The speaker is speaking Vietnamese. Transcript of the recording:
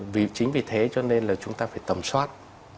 vì chính vì thế cho nên là chúng ta phải tầm soát